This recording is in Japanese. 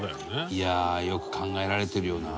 「いやあよく考えられてるよな」